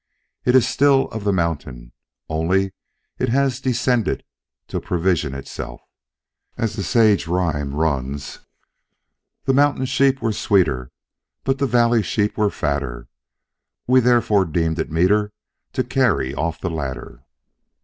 It is still of the Mountain, only it has descended to provision itself; as the sage rhyme runs, "The mountain sheep were sweeter, But the valley sheep were fatter; We therefore deemed it meeter To carry off the latter."